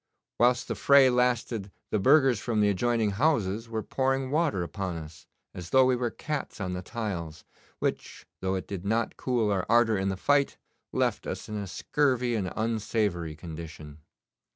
Whilst the fray lasted the burghers from the adjoining houses were pouring water upon us, as though we were cats on the tiles, which, though it did not cool our ardour in the fight, left us in a scurvy and unsavoury condition.